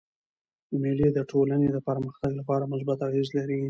مېلې د ټولني د پرمختګ له پاره مثبت اغېز لري.